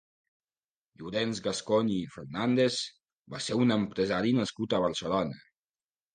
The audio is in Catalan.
Llorenç Gascon i Fernández va ser un empresari nascut a Barcelona.